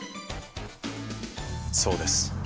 そうです。